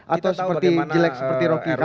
atau seperti jelek seperti rocky tadi